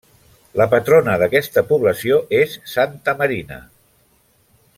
La patrona d'aquesta població és Santa Marina.